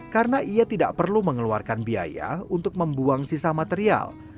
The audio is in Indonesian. karena ia tidak perlu mengeluarkan biaya untuk membuang sisa material